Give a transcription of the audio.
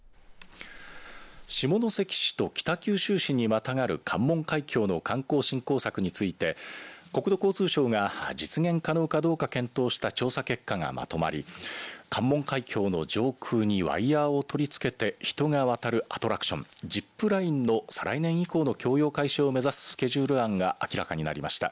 下関市と北九州市にまたがる関門海峡の観光振興策について国土交通省が実現可能かどうか検討した調査結果がまとまり関門海峡の上空にワイヤーを取り付けて人が渡るアトラクションジップラインの再来年以降の供用開始を目指すスケジュール案が明らかになりました。